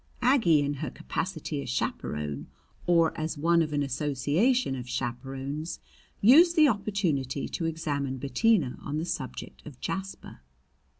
Aggie in her capacity as chaperon, or as one of an association of chaperons, used the opportunity to examine Bettina on the subject of Jasper.